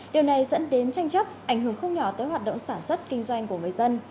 điều này dẫn đến tranh chấp ảnh hưởng không nhỏ tới hoạt động sản xuất kinh doanh của người dân